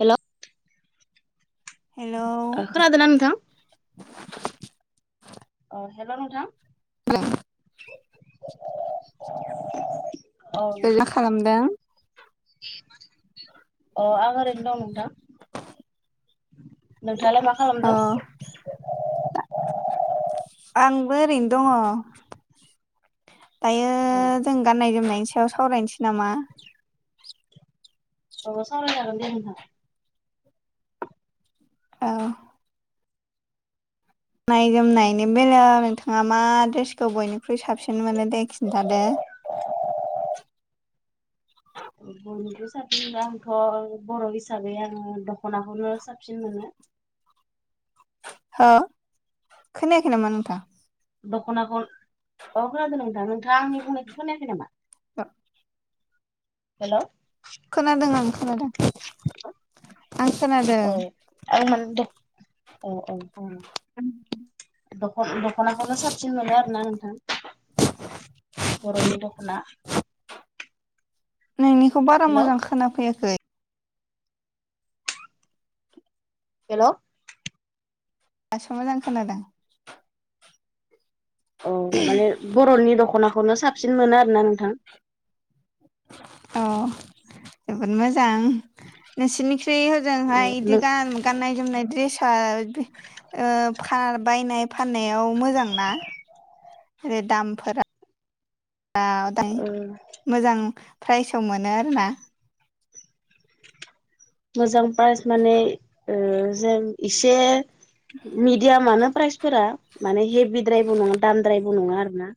हेल'। Hello ओ खोनादोंना नोंथां? अ हेल' नोंथां? [inaudible] औ मा नोंथां। खालामदों अ आं ओरैनो दं नोंथां। नोंथांआलाय मा खालामदों? अ दा आंबो ओरैनो दङ'। दायो औ जों गान्नाय जोबनायनि सायाव सावरायनोसै नामा? औ सावरायनो हागोन दे नोंथां। औ। गाननाय जोमनायनि बेलायाव नोंथाङा मा ड्रेसखौ बयनिख्रुइ साबसिन मोनो दे खिन्थादो। [inaudible] बयनिख्रुइ साबसिन दा आंथ' बर' हिसाबै आङो दख'नाखौनो साबसिन मोनो। हो खोनायाखै नामा नोंथां? दख'नाखौ औ खोनादों नोंथां नोंथाङा आंनि बुंनायखौ खोनायाखै नामा? हेलौ। खोनादों आं खोनादों। आं खोनादों औ आं माने द औ। दखन-दख'नाखौनो साबसिन मोनो आरो ना नोंथां। बर'नि दख'ना। नोंनिखौ बारा हेल' मोजां खोना फैया हेल' दासो मोजां खोनादों। औ माने बर'नि दख'नाखौनो साबसिन मोनो आरो ना नोंथां। अ जोबोद मोजां नोंसोरनिख्रुइ ओ ओजोंहाय इदि नों गान-गाननाय जोमनाय द्रेसा ओ फा बायनाय फाननायाव मोजांना ओ दामफोरा दा दाय ओ मोजां प्राइसआव मोनो आरो ना। मोजां पास माने ओ जों इसे मिडियामानो प्राइसफोरा माने हेभिद्रायबो नङा दामद्रायबो नङा आरो ना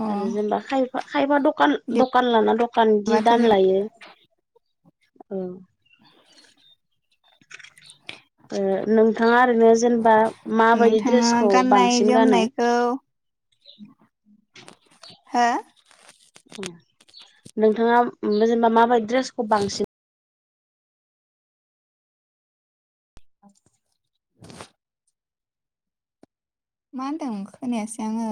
अ आरो जेनबा खायफा खायफा दखान दखान लाना दखानदि जि बिदिबाथ' दाम जोब लायो। औ ओ नोंथाङा ओरैनो जेनबा माबायदि नोंथाङा ड्रेसखौ बांसिन गानो। हा उम नोंथाङा उम जेनबा माबायदि ड्रेसखौ बांसिन [inaudible] मा होनदों खोनायासै आङो।